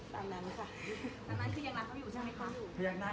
ตามนั้นคือยังรักเขาอยู่ใช่ไหมคะ